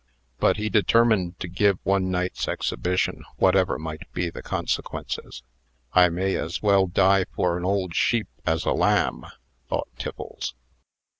But he determined to give one night's exhibition, whatever might be the consequences. "I may as well die for an old sheep as a lamb," thought Tiffles.